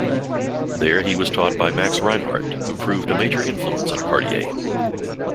There he was taught by Max Reinhardt, who proved a major influence on Cartier.